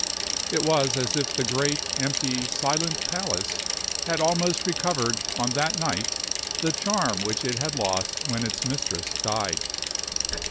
It was as if the great, empty, silent palace had almost recovered on that night the charm which it had lost when its mistress died.